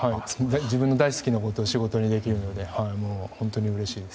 自分の大好きなことを仕事にできるので本当にうれしいです。